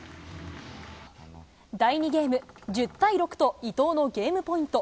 第２ゲーム、１０対６と伊藤のゲームポイント。